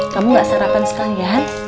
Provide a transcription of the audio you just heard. kamu gak sarapan sekalian